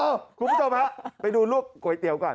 อ้าวคุณผู้ชมครับไปดูลวกก๋วยเตี๋ยวก่อน